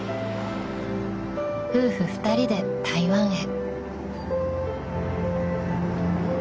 ［夫婦２人で台湾へ］